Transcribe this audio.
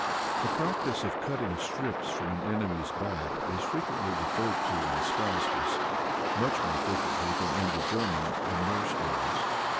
The practice of cutting strips from an enemy's back is frequently referred to in the Skazkas much more frequently than in the German and Norse stories.